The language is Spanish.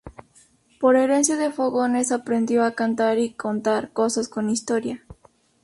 Por herencia de fogones aprendió a cantar y contar cosas con historia.